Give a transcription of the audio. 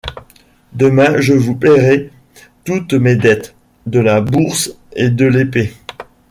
Demain je vous paierai toutes mes dettes, de la bourse et de l’épée.